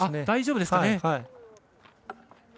大丈夫ですかね。